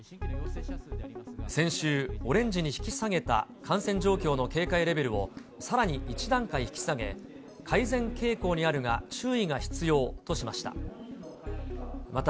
先週、オレンジに引き下げた感染状況の警戒レベルを、さらに１段階引き下げ、改善傾向にあるが注意が必要としました。